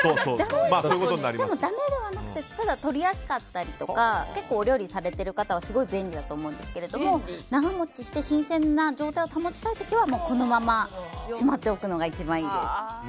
でも、だめではなくて取りやすかったりとか結構お料理されてる方はすごい便利だと思うんですけど長持ちして新鮮な状態を保ちたい時はこのまましまっておくのが一番いいです。